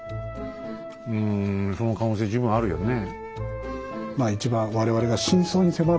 うんその可能性十分あるよねえ。